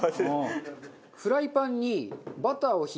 フライパンにバターを引いて。